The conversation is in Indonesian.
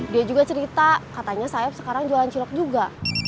dia juga cerita katanya saya sekarang jualan cilok juga